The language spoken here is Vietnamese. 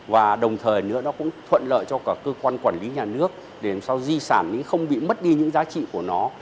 và đồng thời nữa nó cũng thuận lợi cho cả cơ quan quản lý nhà nước để làm sao di sản không bị mất đi những giá trị của nó